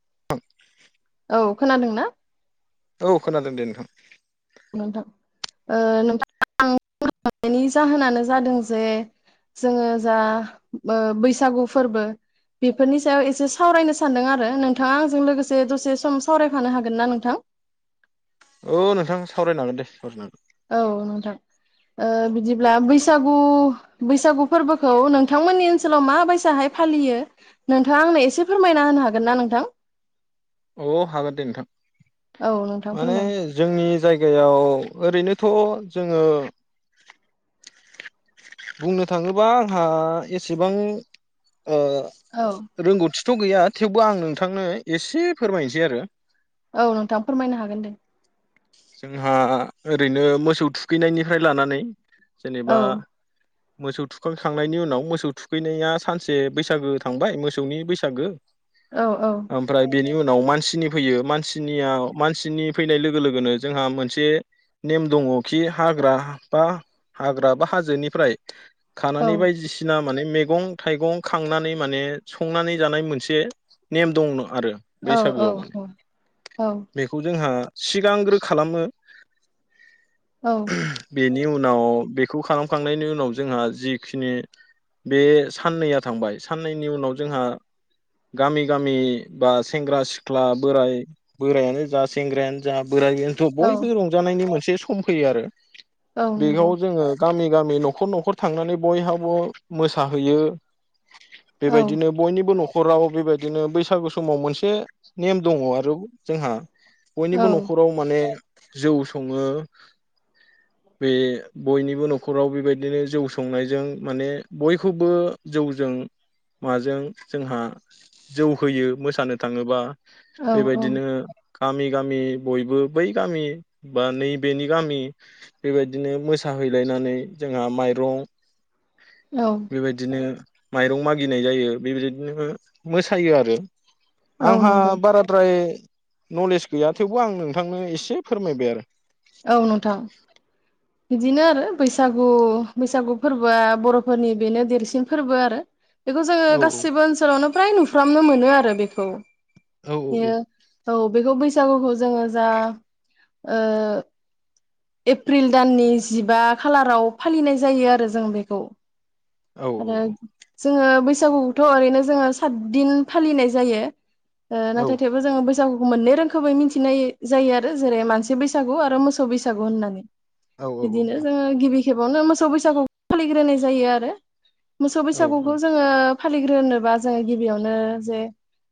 [unintelligible] औ खोनादोंना? औ खोनादों दे नोंथां। नोंथां ओ नोंथां नायनि जाहोनानो जादों जे जोङो जा ओ बैसागु फोरबो बेफोरनि सायाव एसे सावरायनो सानदों आरो नोंथाङा आंजों लोगोसे दसे सम सावरायफानो हागोन ना नोंथां? औ नोंथां सावरायनांगोन दे सावरायनो हागोन। औ नोंथां ओ बिदिब्ला बैसागु बैसागु फोरबोखौ नोंथांमोननि ओनसोलाव माबायसाहाय फालियो नोंथाङा आंनो एसे फोरमायना होनो हागोन ना नोंथां? औ हागोन दे नोंथां औ नोंथां माने फोरमाय जोंनि जायगायाव ओरैनोथ' जोङो बुंनो थाङोबा आंहा एसेबां ओ औ रोंगौथि थ' गैया थेवबो आं नोंथांनो एसे फोरमायनोसै आरो। औ नोंथाङा फोरमायनो हागोन दे। जोंहा ओरैनो मोसौ थुखैनायनिफ्राय लानानै जेनेबा औ मोसौ थुखांखांनायनि उनाव मोसौ थुखैनाया सानसे बैसागो थांबाय मोसौनि बैसागो। औ औ ओमफ्राय बेनि उनाव नाव मानसिनि फैयो मानसिनिया मानसिनि फैनाय लोगो लोगो लोगो लोगोनो जोंहा मोनसे नेम दङ खि हाग्रा बा हाग्रा बा हाजोनिफ्राय औ खानानै बायदिसिना माने मैगं थाइगं खांनानै माने संनानै जानाय मोनसे नेम दंनो। आरो औ बैसागोआव माने औ औ बेखौ जोंहा सिगांग्रो खालामो। औ बेनि उन नाव बेखौ खालामखांनायनि उनाव जोंहा जिखिनि बे साननैया थांबाय साननैनि उनाव जोंहा गामि गामि बा सेंग्रा सिख्ला बोराय बोरायानो जा सेंग्रायानो बोरायथ' औ बयबो रंजानायनि मोन से सम फैयो आरो। औ बेखौ नंगौ जोङो गामि गामि न'खर न'खर थांनानै बयहाबो मोसाहोयो औ बेबायदिनो औ बयनिबो न'खर खराव बेबायदिनो बैसागु समाव मोनसे नेम दङ आरो जोंहा। बयनिबो औ न'खराव माने जौ सङो बे बयनिबो न'खराव बेबायदिनो जौ संनायजों माने बयखौबो जौजों माजों जोंहा जौ होयो मोसानो थाङोबा। औ बेबायदिनो गामि गामि बयबो बै गामि बा नैबेनि गामि बेबायदिनो मोसाहैलायनानै जोंहा माइरं औ बेबायदिनो माइरं मागिनाय जायो बेबायदिदिनो मोसायो आरो। औ आंहा नंगौ बाराद्राय न'लेस गैया थेवबो आं नोंथांनो एसे फोरमायबाय आरो औ नोंथां बिदिनो आरो बैसागु बैसागु फोरबोआ बर'फोरनि बेनो देरसिन फोरबो आरो बेखौ जोङो गासिबो ओनसोलावनो फ्राय नुफ्रामनो मोनो आरो बेखौ औ बेयो औ बेखौ बै। सागुखौ जोङो जा ओ। एप्रिल दाननि जिबा खालाराव फालिनाय जायो आरो जों बेखौ। औ आरो। जोङो बैसागुखौथ' ओरैनो जोङो सातदिन फालिनाय जायो। ओ औ नाथाय थेवबो जो बै। सागुखौ मोनैै मोन जायो आरो जेरै मानसि बैसागु आरो मोसौ बैसा। सागु होननानै। औ बिदिनो जोङो गिबि। गिबिआवनो मोसौ बैसागु फालिग्रोनाय जायो आरो। मोसौ औ बैसागुखौ जोङो। फालिग्रोनोबा जोङो गिबियावनो जे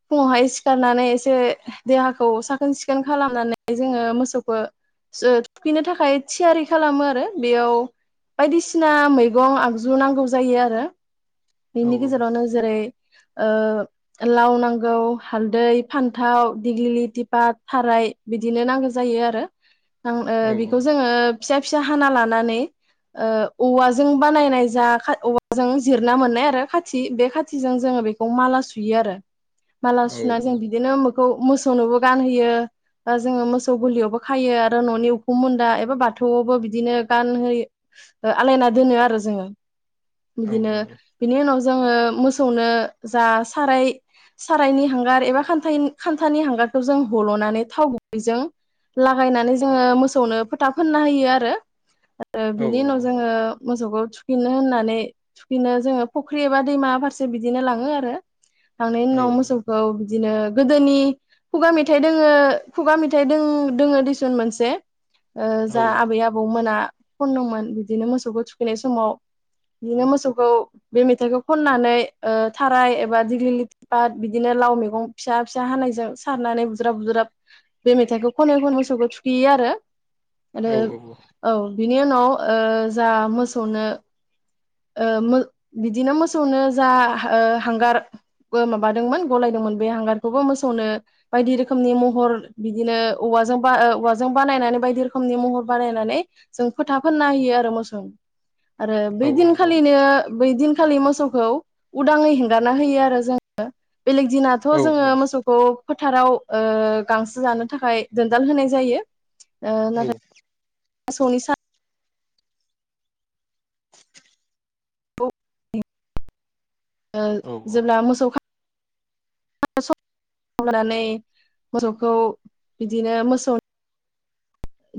फुङावहाय सिखारनानै एसे देहाखौ साखोन सिखोन खालामनानै जोङो मोसौखौ। थुखैनो थाखाय थियारि खालामो आरो बेयाव बायदिसिना मैगं आगजु नांगौ जायो आरो। औ बेनि गेजेरावनो जेरै। ओ लाव नांगौ हालदै फान्थाव दिग्लि पा थाराय बिदिनो नांगौ जायो आरो। उम ओ बिखौ औ जोङो। फिसा फिसा हाना लानानै ओ औवाजों बानायनाय जा औ जों जिर। ना मोननाय आरो खाथि बे खाथिजों जोङो बेखौ माला सुयो आरो। माला सुना जों बिदिनो मो। खौ मोसौनोबो गानहयो दा जो। सौ गलियावबो औ खायो। [inaudible] औ औ औ। नि उनाव जोङो मोसौनो जा साराय सारायनि हांगार एबा खान्थानि हांगारखौ जों हल'नानै थाव गुबैजों लागायनानै जोङो मोसौनो फोथा फोनना होयो आरो। बिनि उनाव जोङो। मोसौखौ थुखैनो होननानै। बिदिनो जोङो फुख्रि एबा दैमा फारसे बिदिनो लाङो आरो। खांनायनि उनाव मोसौखौ। बिदिनो गोदोनि खुगा मेथाइ दङो खुगा मेथाइ दो-दोङो दिसुन मोनसे। ओ जा आबै आबौमोना। खनदोंमोन बिदिनो मोसौखौ थुखैनाय समाव बिदिनो मोसौ खौ बे मेथाइखौ खननानै ओ थाराय एबा दिग्लि पाट बिदिनो लाव मैगं फिसा फिसा हानायजों सारनानै बुज्राब बुज्राब बे मेथाइखौ खनै खनै मोसौखौ थुखैयो आरो। आरो औ। बिनि उनाव ओ जा मोसौनो ओ मो बिदिनो मोसौनो जा ओ हांगार माबादोंमोन गलायदोंमोन बे हांगारखौबो मोसौनो बायदि रोखोमनि महर बिदिनो औवाजों बा औवाजों बानायनानै बायदि रोखोमनि महर बानायनानै जों फोथा फोनना होयो आरो मोसौनो। आरो बैदिन खालिनो बैदिन खालि मोसौखौ उदाङै हेंगारना होयो आरो जोङो बेलेग दिनाथ' जोङो मोसौखौ फोथाराव ओ गांसो जानो थाखाय दोनदाल होनाय जायो। ओ औ नाथाय मोसौनि सान [inaudible] ओ औ जेब्ला मोसौ [inaudible] लानानै मोसौखौ बिदिनो मोसौ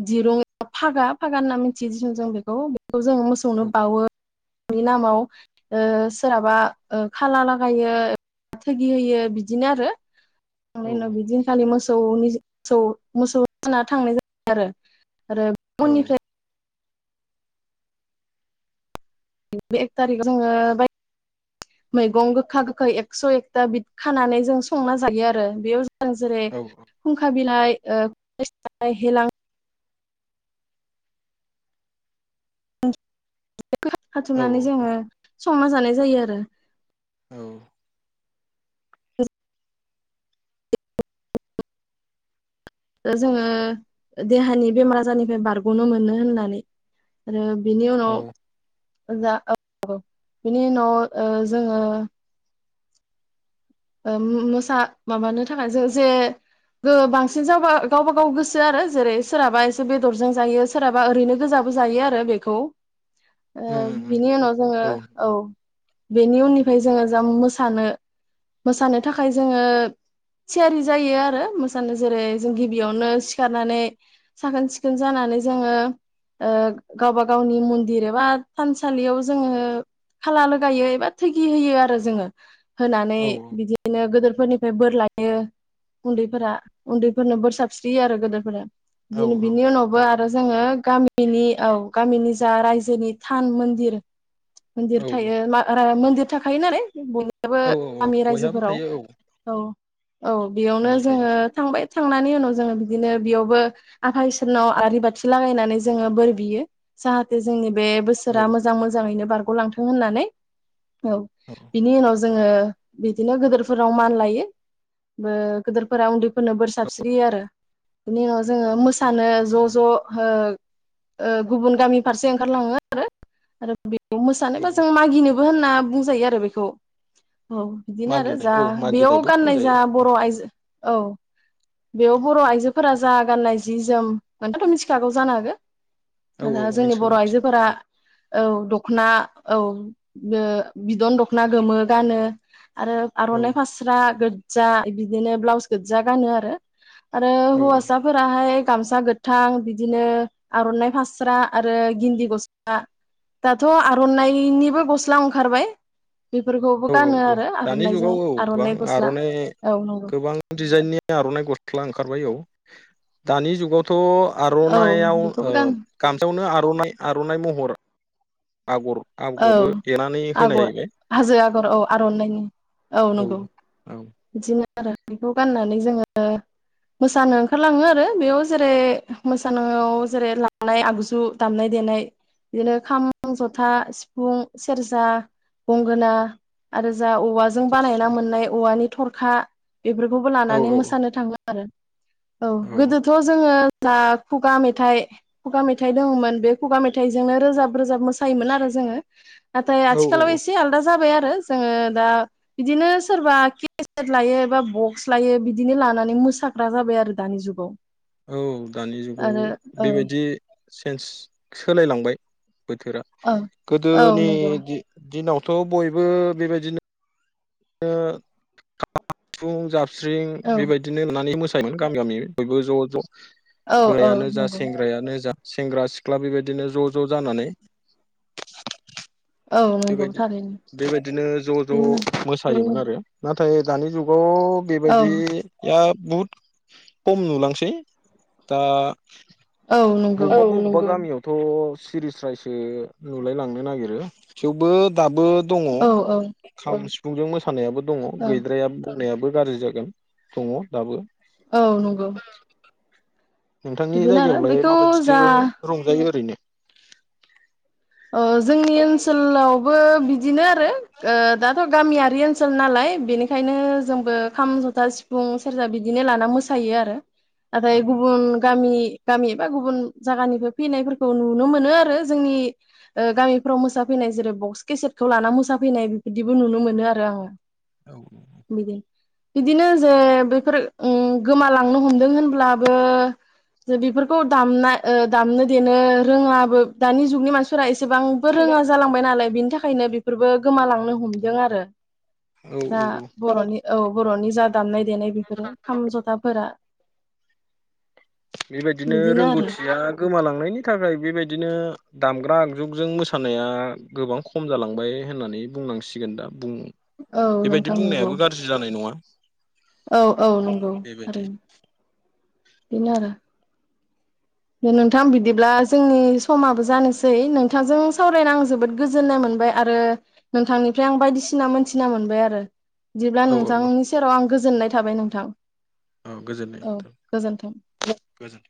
दिरुं फागा फागा होनना मिनथियो जों बेखौ खौ जों औ मोसौनो बावो मोसौनि नामाव ओ सोरहाबा ओ खाला लागायो थोगि होयो बिदिनो आरो। खांनायनि बि दिन खालि मोसौ खौ [inaudible] मोसौ होना थांनाय आरो। आरो औ उननिफ्राय बे एक थारिखआव जोङो मैगं गोखा गोखा एकस' एकथा बिदि खानानै जों संना जायो आरो बेयाव जों जों जेरै औ फुंखा बिलाइ ओ [inaudible] बेखौ औ खाथुमनानै जोङो संना जानाय जायो आरो। औ [inaudible] जोङो देहानि बेमार आजारनिफ्राय बारग'नो मोनो होननानै आरो। बिनि औ उनाव जा औ औ बिनि उनाव ओ जोङो ओ मोसा माबानो थाखाय जों जे बांसिन जाबा गावबा गाव गोसो आरो जेरै सोरहाबा एसे बेदरजों जायो सोरहाबा ओरैनो गोजाबो जायो आरो बेखौ। ओ उम बिनि उनाव जोङो उम औ। बेनि उननिफ्राय जोङो जा मोसानो मोसानो थाखाय जोङो थियारि जायो आरो मोसानो जेरै जों गिबियावनो सिखारनानै साखोन सिखोन जानानै जोङो गावबा गावनि मन्दिर एबा थानसालियाव जोङो खाला लगायो एबा थैगि होयो आरो जोङो होनानै औ बिदिनो गोदरफोरनिफ्राय बोर लायो उन्दैफोरा उन्दैफोरनो बोर साबस्रियो आरो गोदोरफोरा। औ दि बिनि उनावबो आरो जोङो। गामिनि औ गामिनि जा रायजोनि थान मन्दिर। मन्दिर औ थायो । मा आ रा गा मन्दिर थाखायो नालाय बय औ औ औ बयहाबो। आव थायो औ औ। औ औ बेयावनो थायो जोङो थांबाय थांनानै उनाव जोङो बिदिनो बेयावबो आफा इसोरनाव आरि बाथि लागायनानै जोङो बोर बियो जाहाथे जोंनि बे औ बोसोरा मोजां मोजाङैनो बार गलांथों होननानै। औ बिनि उनाव जो ङो। बिदिनो गोदोरफोराव मान लायो ओ गोदोरफोरा उन्दैफोरनो बोर साबस्रियो आरो बिनि उनाव जोङो मो सानो ज' ज'हो ओ गुबुन गामि फारसे ओंखारलाङो आरो। आरो बे औ मोसानोबा जों मागिनो। बोहोनना बुंजायो आरो बेखौ औ। बिदिनो आरो मागिनाय जा औ बेयाव मागिनायबो गाननाय जा बुंजायो बर' आयजो। औ बेयाव बर' आइजोफोरा जा गाननाय जि जोम नोंथाङाथ मिथिखागौ जानो हागौ। औ दा औ जोंनि मिथिगौ बर' आइजोफोरा। मिथिगौ औ दखना औ बो बिदन दखना गोमो गानो। आरो औ आर'नाइ फास्रा गो जा बिदिनो ब्लाउस गोजा गानो आरो। आरो औ होवासाफोराहाय गामसा गोथां बिदिनो आर'नाइ फास्रा आरो गिन्दि गस्ला दाथ' आर'नाइनिबो गस्ला ओंखारबाय। बेफोरखौबो गानो आरो नि जुाव आर'नाइजों औ गोबां आर'नाइ गस्ला आर'नाइ औ नंगौ गोबां दिजाइननि आर' नाय गस्ला ओंखारबाय औ दानि जुगावथ' औ आर'नाइाव बेखौबो ओ गानो गामसायावनो आर'नाइ आर'नाइ महर। आगर औ आगरबो एरनानै होनाय आगर जाहैबाय हाजो आगर औ आर'इनि औ नंगौ बिदिनो। आरो बेखौ गाननानै जोङो मोसानो ओंखारलाङो आरो बेयाव जेरै मोसानायाव जेरै लानाय आगजु दामनाय देनाय बिदिनो खाम जथा सि फुं सेरजा गंगोना आरो जा औवाजों बानायना साबस्रि मोननाय औवानि। थरखा। बेफोरखौबो औ लानानै औ मोसानो थाङो। आरो। औ गोदोथ' जोङो। दा खुगा मेथाइ खुगा मेथाइ दङमोन बे खुगा मेथाइजोंनो रोजाब रोजाब मोसायोमोन आरो जोङो नाथाय औ आथिखालाव औ एसे आलदा जाबाय आरो जोङो दा बिदिनो सोरबा केसेट लायो एबा बक्स लायो बिदिनो लानानै मोसाग्रा जाबाय आरो दानि जुगाव औ दानि जुगाव आरो औ बेबायदि सेन्स सोलायलांबाय बोथोरा औ औ गोदोनि नंगौ दि-दिनाव थ बयबो बेबायदिनो [unintelligible] साबस्रिं औ बेबायदिनो लानानै मोसा योमोन गामि गामि बयबो ज' ज' औ औ बोरायानो जा नंगौ सेंग्रायानो जा सेंग्रा सिख्ला बेबायदिनो ज' ज' जानानै औ नंगौ बेबायदि थारैनो बेबायदिनो ज' बिदिनो ज' मोसायोमोन नाथाय दानि जुगाव औ बेबायदिया बुहुद खम नुलांसै दा औ नंगौ बबेबा बबेबा गामियाव थ' सिरि स्रायसो नुलाय लांनो नागिरो थेवबो दाबो दङ औ औ खाम सिफुं फुंजों मोसा नायाबो दङ औ गैद्रायाबो होननायाबो गाज्रि जागोन दङ दाबो औ नंगौ नोंथांनि बिदिनो आरो जायगायावलाय बेखौ जा माबायदिथो रंजायो ओरैनो ओ जोंनि ओनसोलावबो बिदिनो आरो ओ दाथ गामियारि ओनसोल नालाय बेनिखायनो जोंबो खाम जथा सिफुं सेरजा बिदिनो लाना मोसायो आरो औ नाथाय गुबुन गामि गामि एबा गुबुन जागानिफाय फैनायफोरखौ नुनो मोनो आरो जोंनि ओ गामिफोराव मोसाफैनाय जेरै बक्स केसेटखौ लाना मोसाफैनाय बेफोरबादिबो नुनो मोनो आरो आङो औ औ। बिदि बिदिनो जे बेफोर उम गोमालांनो हमदों होनब्लाबो जे बेफोरखौ दामना दामनो देनो रोङाबो दानि जुगनि मानसि। प्राइस। एसेबांबो रोङा जालांबाय नालाय बिनि थाखायनो। फोरबो गोमालांनो हमदों आरो। औ जा औ बरनि औ बरनि जा दामनाय देनाय बेफोरो खाम जथाफोरा। बेबायदिनो बिदिनो आरो रोंगौथिया गोमालांनायनि थाखाय बेबायदिनो दामग्रा। जुगजों मोसानाया गोबां खम जालांबाय होननानै बुंनांसिगोन दा। बुं औ बेबायदि नोंथां नंगौ बुंनायाबो गाज्रि जानाय नङा। औ औ नंगौ बेबायदि थारैनो। इनारो। दे नोंथां बिदिब्ला जोंनि समाबो जानोसै नोंथांजों सावरायनो आं जोबोद गोजोननाय मोनबाय आरो नोंथांनिफ्राय आं बायदिसिना मोनथिना मोनबाय आरो। बिदिब्ला औ औ नोंथांनि सेराव आं। गोजोननाय थाबाय नोंथां। औ गोजोननाय औ था गोजोन्थों गोजोन।